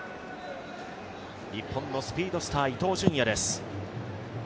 日本のスピードスター、伊東純也です。